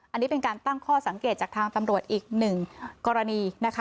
อันนี้เป็นการตั้งข้อสังเกตจากทางตำรวจอีกหนึ่งกรณีนะคะ